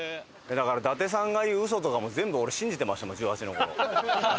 だから伊達さんが言う嘘とかも全部俺信じてましたもん１８の頃。